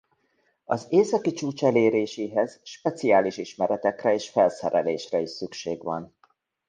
Az északi csúcs eléréséhez speciális ismeretekre és felszerelésre is szükség van.